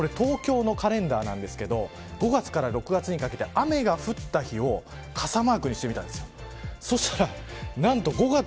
５月の東京のカレンダーなんですけど５月から６月にかけて雨が降った日を傘マークにしてみたんですよ。